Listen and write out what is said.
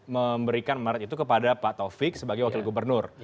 memberikan marat itu kepada pak taufik sebagai wakil gubernur